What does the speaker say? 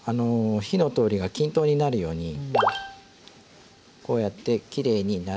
火の通りが均等になるようにこうやってきれいに並べて